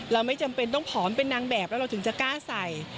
เราไม่จำเป็นต้องผอมเป็นนางแบบแล้วเราถึงจะกล้าใส่